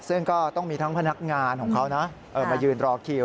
ซึ่งก็ต้องมีทั้งพนักงานของเขานะมายืนรอคิว